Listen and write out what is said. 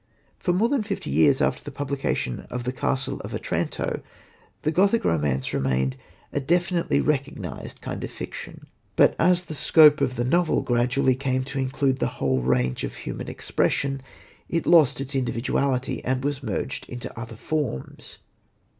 For more than fifty years after the publication of The Castle of Otranto the Gothic Romance remained a definitely recognised kind of fiction; but, as the scope of the novel gradually came to include the whole range of human expression, it lost its individuality, and was merged into other forms.